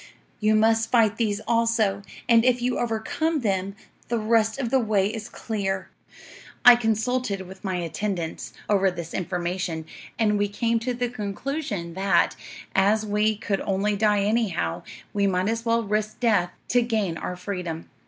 You must fight these also, and if you overcome them, the rest of the way is clear." "'I consulted with my attendants over this information, and we came to the conclusion that, as we could only die, anyhow, we might as well risk death to gain our freedom.